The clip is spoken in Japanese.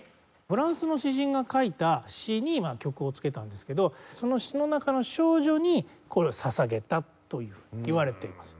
フランスの詩人が書いた詩に曲をつけたんですけどその詩の中の少女にこれを捧げたといわれています。